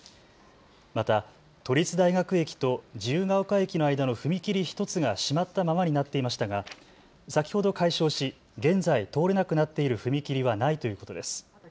また都立大学駅と自由が丘駅の間の踏切１つが閉まったままになっていましたが先ほど解消し現在、通れなくなっている踏切はないということです。